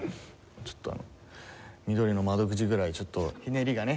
ちょっとあの「みどりの窓口」ぐらいちょっとひねりがね